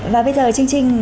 và bây giờ chương trình